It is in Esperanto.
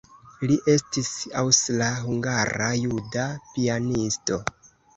Li estis aŭstra-hungara-juda pianisto.